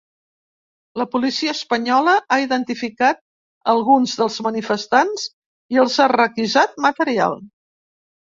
La policia espanyola ha identificat alguns dels manifestants i els ha requisat material.